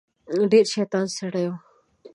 ډیر شیطان سړی و.